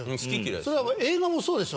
それは映画もそうですよ。